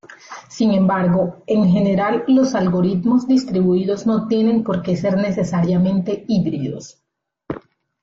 Sin embargo, en general los algoritmos distribuidos no tienen porque ser necesariamente híbridos.